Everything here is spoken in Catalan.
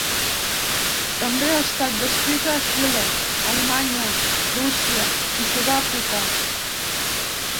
També ha estat descrita a Xile, Alemanya, Rússia i Sud-àfrica.